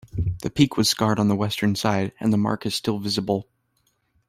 The peak was scarred on the western side, and the mark is still visible.